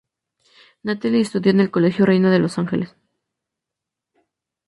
Natalie estudió en el Colegio Reina de los Ángeles.